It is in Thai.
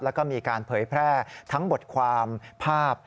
แล้วก็มีการเผยแพร่ทั้งบทความภาพ